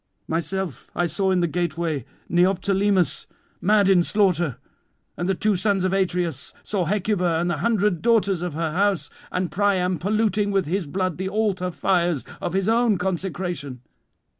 Myself I saw in the gateway Neoptolemus mad in slaughter, and the two sons of Atreus, saw Hecuba and the hundred daughters of her house, and Priam polluting with his blood the altar fires of his own consecration.